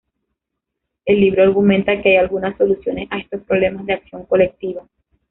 El libro argumenta que hay algunas soluciones a estos problemas de acción colectiva.